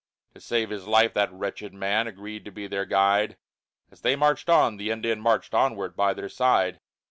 To save his life that wretched man Agreed to be their guide, As they marched on, the Indian Marched onward by their side.